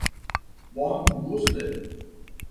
bonguste